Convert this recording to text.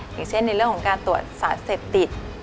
อย่างเช่นในเรื่องของการตรวจสารเสพติด